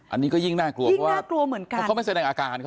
อันนี้ก็ยิ่งน่ากลัวเพราะว่าเขาไม่แสดงอาการ